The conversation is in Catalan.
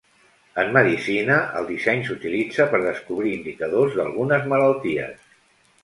En medicina, el disseny s'utilitza per descobrir indicadors d'algunes malalties.